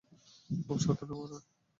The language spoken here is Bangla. খুব সাবধানে মারান।